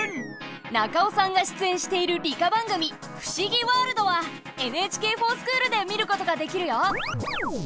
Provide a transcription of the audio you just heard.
中尾さんが出演している理科番組「ふしぎワールド」は「ＮＨＫｆｏｒＳｃｈｏｏｌ」で見ることができるよ！